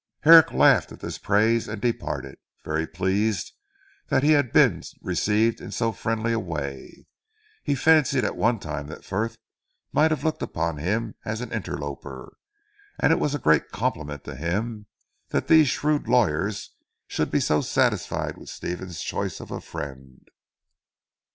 Herrick laughed at this praise and departed, very pleased that he had been received in so friendly a way. He fancied at one time that Frith might have looked upon him as an interloper, and it was a great compliment to him, that these shrewd lawyers should be so satisfied with Stephen's choice of a friend.